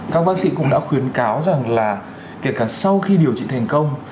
các bác sĩ cũng đã khuyến cáo rằng là kể cả sau khi điều trị thành công